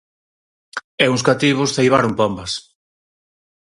E uns cativos ceibaron pombas.